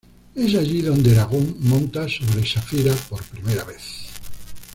Es allí donde Eragon monta sobre Saphira por primera vez.